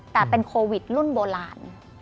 แต่เป็นโควิดรุ่นโบราณ